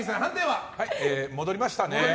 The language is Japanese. はい、戻りましたね。